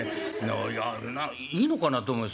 いやいいのかなと思います